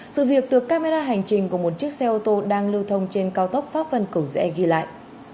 sự việc được camera hành trình của một chiếc xe ô tô đang lưu thông trên cao tốc pháp vân cầu rẽ ghi lại